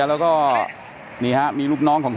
อันนี้อันนี้อันนี้